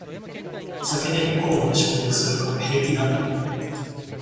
酒で心まで消毒するから平気だって